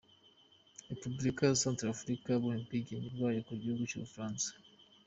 Repubulika ya Centre-Africa yabonye ubwigenge bwayo ku gihugu cy’ubufaransa.